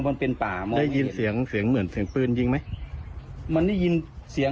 มันเป็นป่ามันได้ยินเสียงเสียงเหมือนเสียงปืนยิงไหมมันได้ยินเสียง